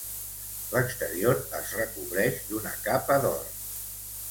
L'exterior es recobreix d'una capa d'or.